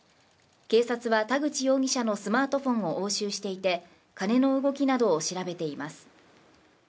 警察は田口容疑者のスマートフォンを押収していて金の動きなどを調べています